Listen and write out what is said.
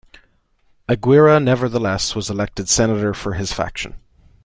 Aguirre nevertheless was elected Senator for his faction.